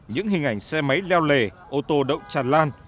những hình ảnh xe máy leo lề ô tô đậu tràn lan